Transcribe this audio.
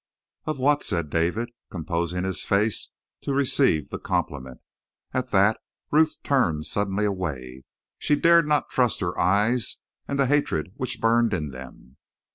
"Of what?" said David, composing his face to receive the compliment. At that Ruth turned suddenly away, for she dared not trust her eyes, and the hatred which burned in them.